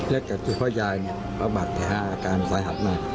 และกับที่พ่อยายประมาทแต่หาการสายหักมาก